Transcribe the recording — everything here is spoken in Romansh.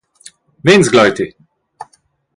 Vegns gleiti?